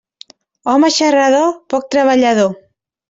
Home xarrador, poc treballador.